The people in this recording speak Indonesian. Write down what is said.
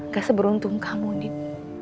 gak seberuntung kamu din